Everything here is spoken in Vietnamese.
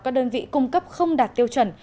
các đơn vị cung cấp không đạt tiêu chuẩn